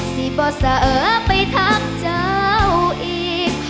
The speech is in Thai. สิบบ่อเสอไปทักเจ้าอีก